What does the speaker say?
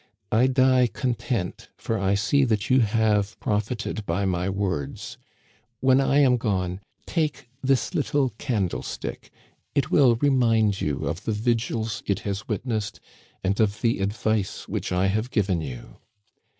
I die content, for I see that you have profited by my words. When I am gone, take this little candlestick. It will remind you of the vigils it has witnessed and of the advice which I have given you.